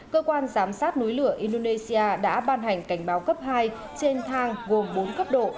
cơ quan giám sát núi lửa indonesia đã ban hành cảnh báo cấp hai trên thang gồm bốn cấp độ